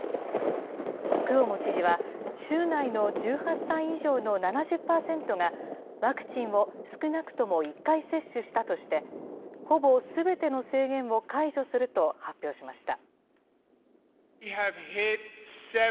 クオモ知事は、州内の１８歳以上の７０％がワクチンを少なくとも１回接種したとして、ほぼすべての制限を解除すると発表しました。